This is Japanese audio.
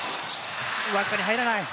わずかに入らない。